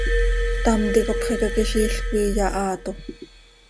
Ctam ticop xicaquiziil coi iyahaato.